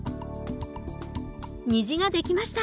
虹が出来ました。